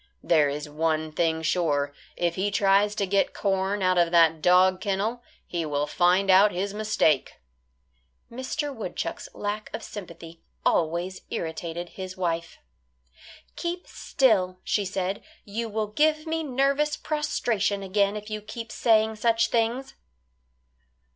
There is one thing sure; if he tries to get corn out of that dog kennel, he will find out his mistake." Mr. Woodchuck's lack of sympathy always irritated his wife. "Keep still," she said, "you will give me nervous prostration again if you keep saying such things."